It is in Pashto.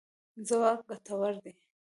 ځواک ګټور دی.